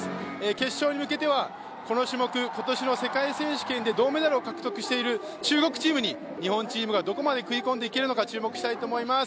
決勝に向けては、この種目、今年の世界選手権で銅メダルを獲得している中国チームに日本チームがどこまで食い込んでいけるのか注目したいと思います。